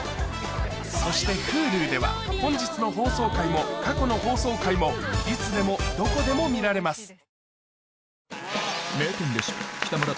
そしてＨｕｌｕでは本日の放送回も過去の放送回もいつでもどこでも見られます何？